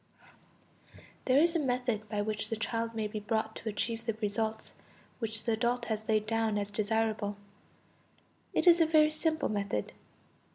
There is a method by which the child may be brought to achieve the results which the adult has laid down as desirable; it is a very simple method.